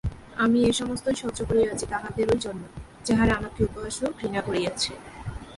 আমি এ সমস্তই সহ্য করিয়াছি তাহাদেরই জন্য, যাহারা আমাকে উপহাস ও ঘৃণা করিয়াছে।